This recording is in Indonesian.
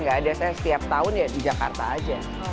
gak ada saya setiap tahun ya di jakarta aja